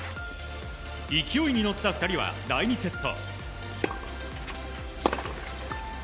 勢いに乗った２人は第２セット。